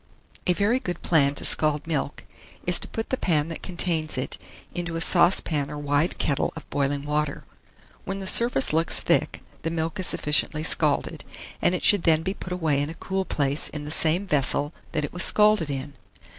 A very good plan to scald milk, is to put the pan that contains it into a saucepan or wide kettle of boiling water. When the surface looks thick, the milk is sufficiently scalded, and it should then be put away in a cool place in the same vessel that it was scalded in.